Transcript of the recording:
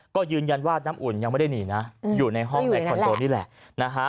ก็ยืนยันว่าน้ำอุ่นยังไม่ได้หนีนะอยู่ในห้องในคอนโดนี่แหละนะฮะ